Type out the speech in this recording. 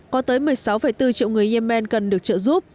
có tới một mươi sáu bốn triệu người yemen cần được trợ giúp